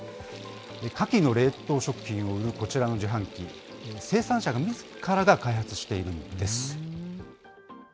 カキの冷凍食品を売るこちらの自販機、生産者がみずから開発しているんです。